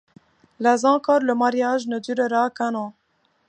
Là encore le mariage ne durera qu'un an.